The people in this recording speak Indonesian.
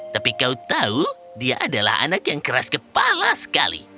tapi kau tahu dia adalah anak yang keras kepala sekali